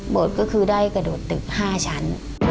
ก็คือได้กระโดดตึก๕ชั้น